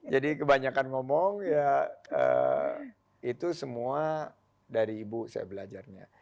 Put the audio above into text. jadi kebanyakan ngomong ya itu semua dari ibu saya belajarnya